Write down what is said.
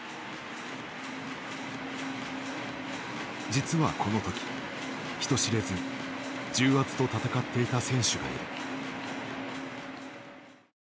実はこの時人知れず重圧と闘っていた選手がいる。